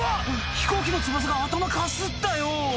飛行機の翼が頭かすったよ！